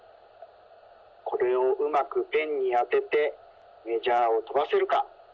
これをうまくペンにあててメジャーをとばせるか。